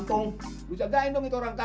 atau mau nanti listrik